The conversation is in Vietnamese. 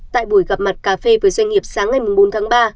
tại buổi gặp mặt cà phê với doanh nghiệp sáng ngày bốn tháng ba